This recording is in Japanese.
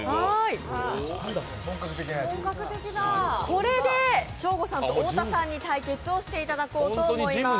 これでショーゴさんと太田さんに対決していただきたいと思います。